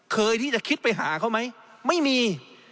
เคยที่จะคิดไปหาเขาไหมไม่มี